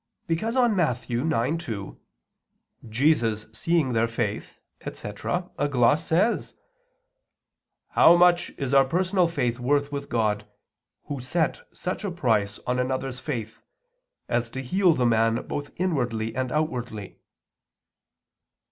Because on Matt. 9:2: "Jesus seeing their faith," etc. a gloss says: "How much is our personal faith worth with God, Who set such a price on another's faith, as to heal the man both inwardly and outwardly!"